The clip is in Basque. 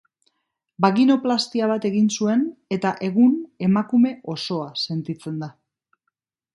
Baginoplastia bat egin zuen eta egun emakume osoa sentitzen da.